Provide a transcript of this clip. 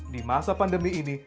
di masa pandemi ini